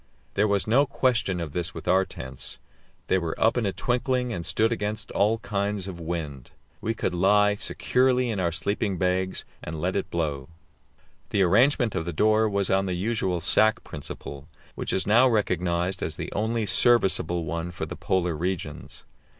There was no question of this with our tents. They were up in a twinkling, and stood against all kinds of wind; we could lie securely in our sleeping bags, and let it blow. The arrangement of the door was on the usual sack principle, which is now recognized as the only serviceable one for the Polar regions.